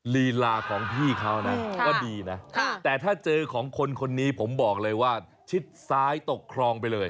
ลีลาของพี่เขานะก็ดีนะแต่ถ้าเจอของคนคนนี้ผมบอกเลยว่าชิดซ้ายตกคลองไปเลย